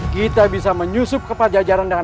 kita bisa menyusup ke pejajarannya